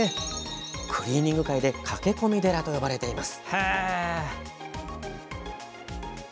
クリーニング界で駆け込み寺と呼ばれています。